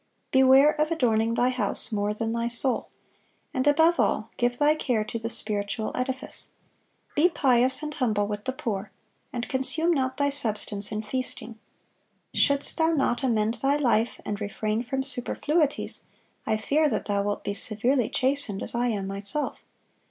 Beware of adorning thy house more than thy soul; and above all, give thy care to the spiritual edifice. Be pious and humble with the poor, and consume not thy substance in feasting. Shouldst thou not amend thy life and refrain from superfluities, I fear that thou wilt be severely chastened, as I am myself....